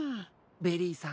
ベリーさん